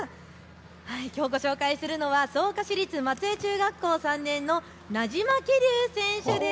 きょうご紹介するのは草加市立松江中学校３年の名島玖龍選手です。